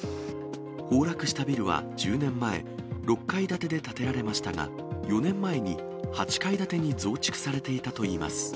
崩落したビルは１０年前、６階建てで建てられましたが、４年前に８階建てに増築されていたといいます。